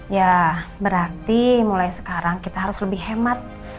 ya berarti mulai sekarang kita harus lebih hemat